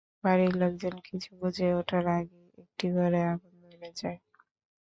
বাড়ির লোকজন কিছু বুঝে ওঠার আগেই একটি ঘরে আগুন ধরে যায়।